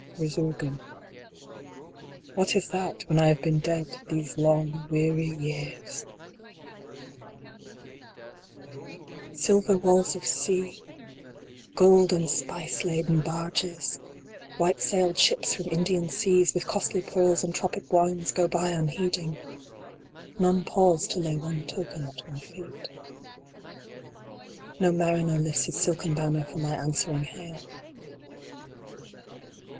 Resurgam. What is that when I have been dead these long weary years! 12 RESURGAM. IV. Silver walls of Sea ! Gold and spice laden barges ! White sailed ships from Indian seas, with costly pearls and tropic wines go by unheeding ! None pause to lay one token at my feet No mariner lifts his silken banner for my answering hail.